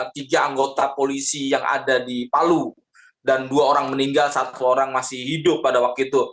tiga anggota polisi yang ada di palu dan dua orang meninggal satu orang masih hidup pada waktu itu